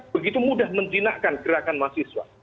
begitu mudah menjinakkan gerakan mahasiswa